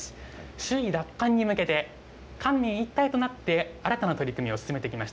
首位奪還に向けて、官民一体となって、新たな取り組みを進めてきました。